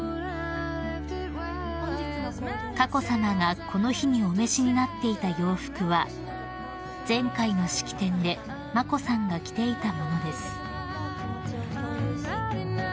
［佳子さまがこの日にお召しになっていた洋服は前回の式典で眞子さんが着ていた物です］